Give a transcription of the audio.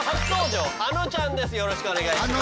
よろしくお願いします。